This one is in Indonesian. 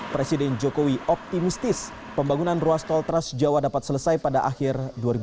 presiden jokowi optimistis pembangunan ruas tol trans jawa dapat selesai pada akhir dua ribu dua puluh